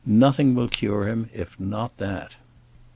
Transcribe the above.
Nothing will cure him if not that.